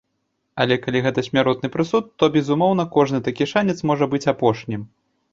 Але калі гэта смяротны прысуд, то, безумоўна, кожны такі шанец можа быць апошнім.